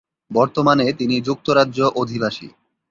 বর্তমানে তিনি যুক্তরাজ্য অধিবাসী।